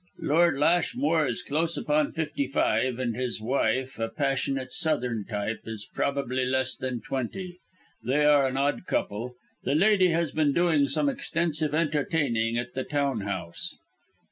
"Lord Lashmore is close upon fifty five, and his wife a passionate Southern type is probably less than twenty. They are an odd couple. The lady has been doing some extensive entertaining at the town house."